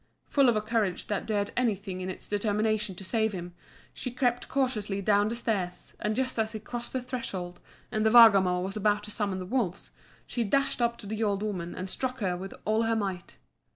Full of a courage that dared anything in its determination to save him, she crept cautiously down the stairs, and just as he crossed the threshold, and the Vargamor was about to summon the wolves, she dashed up to the old woman and struck her with all her might.